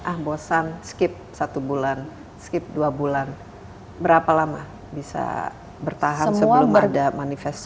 ah bosan skip satu bulan skip dua bulan berapa lama bisa bertahan sebelum ada manifest